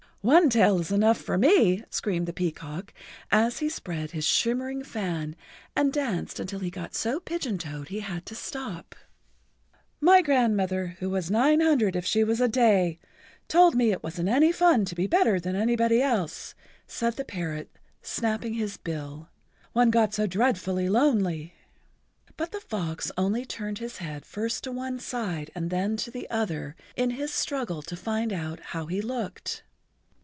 "One tail is enough for me," screamed the peacock, as he spread his shimmering fan and danced until he got so pigeon toed he had to stop. "My grandmother—who was nine hundred if she was a day—told me it wasn't any fun to be better than anybody else," said the parrot, snapping his bill. "One got so dreadfully lonely." But the fox only turned his head first to one side and then to the other in his struggle to find out how he looked.